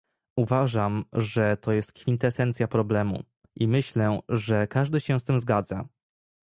Uważam, że to jest kwintesencja problemu, i myślę, że każdy się z tym zgadza